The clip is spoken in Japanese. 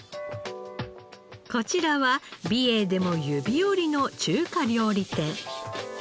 こちらは美瑛でも指折りの中華料理店。